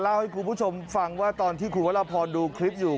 ให้คุณผู้ชมฟังว่าตอนที่คุณวรพรดูคลิปอยู่